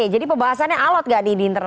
jadi pembahasannya alat nggak di internal